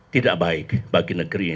tidak baik bagi negeri